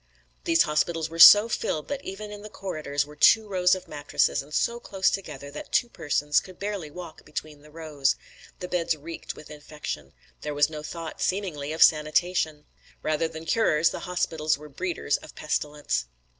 These hospitals were so filled that even in the corridors were two rows of mattresses and so close together that two persons could barely walk between the rows. The beds reeked with infection. There was no thought, seemingly, of sanitation. Rather than curers the hospitals were breeders of pestilence.